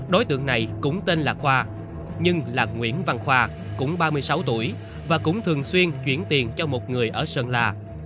đối tượng này cũng tên là khoa nhưng là nguyễn văn khoa cũng ba mươi sáu tuổi và cũng thường xuyên chuyển tiền cho một người ở sơn la